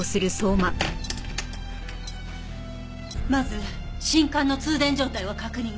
まず信管の通電状態を確認。